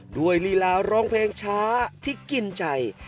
ลีลาร้องเพลงช้าที่กินใจ